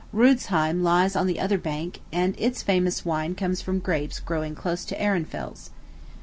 Rudesheim lies on the other bank, and its famous wine comes from grapes growing close to Ehrenfels.